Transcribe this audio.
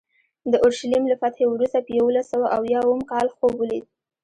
د اورشلیم له فتحې وروسته په یوولس سوه اویا اووم کال خوب ولید.